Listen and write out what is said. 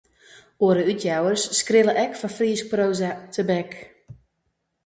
Oare útjouwers skrille ek foar Frysk proaza tebek.